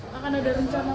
gak ada orang yang berhubung